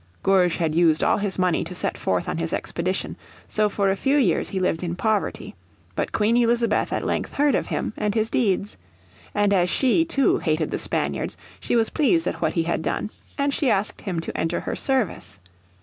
Gourges had used all his money to set forth on his expedition, so for a few years he lived in poverty. But Queen Elizabeth at length heard of him and his deeds. And as she, too, hated the Spaniards she was pleased at what he had done, and she asked him to enter her service.